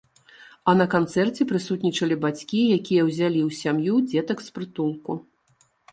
А на канцэрце прысутнічалі бацькі, якія ўзялі ў сям'ю дзетак з прытулку.